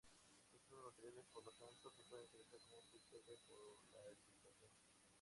Estos materiales por lo tanto se pueden utilizar como filtros de polarización.